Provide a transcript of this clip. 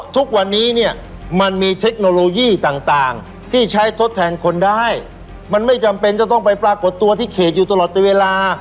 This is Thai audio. ที่ใช้ทดแทนคนได้มันไม่จำเป็นจะต้องไปปรากฏตัวที่เขตอยู่ตลอดเวลา